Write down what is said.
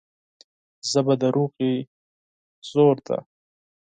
ژبه د سولې زور ده